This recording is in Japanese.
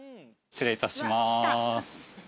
失礼いたします。